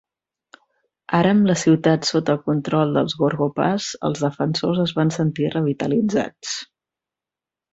Ara amb la ciutat sota control dels Gorgopas, els defensors es van sentir revitalitzats.